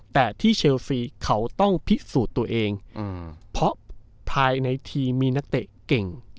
แต่ที่เชลซีเขาต้องพิสูจน์ตัวเองเพราะภายในทีมมีนักเตะเก่ง